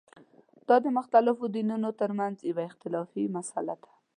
دا د مختلفو دینونو ترمنځه یوه اختلافي مسله ده.